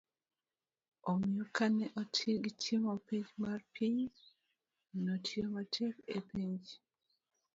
omiyo kane gitimo penj mar piny, notiyo matek e penj